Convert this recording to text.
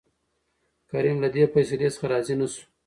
کريم له دې فيصلې څخه راضي نه شو.